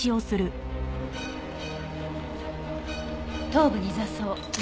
頭部に挫創。